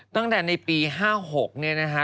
ตั้งแต่ในปี๕๖เนี่ยนะคะ